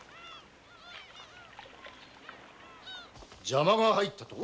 邪魔が入ったと？